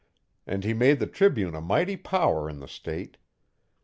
And he made the Tribune a mighty power in the state.